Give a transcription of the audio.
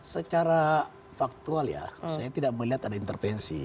secara faktual ya saya tidak melihat ada intervensi